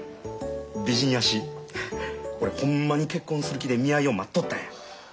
美人やし俺ホンマに結婚する気で見合いを待っとったんや。